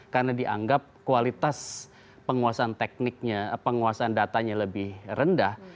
karena dianggap kualitas penguasaan tekniknya penguasaan datanya lebih rendah